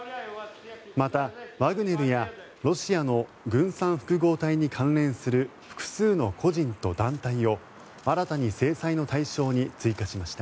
また、ワグネルやロシアの軍産複合体に関連する複数の個人と団体を新たに制裁の対象に追加しました。